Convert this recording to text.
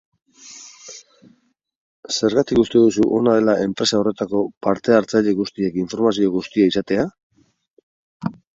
Zergatik uste duzu ona dela enpresa horretako parte hartzaile guztiek informazio guztia izatea?